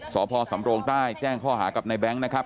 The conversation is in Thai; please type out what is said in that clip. สพสำโรงใต้แจ้งข้อหากับในแบงค์นะครับ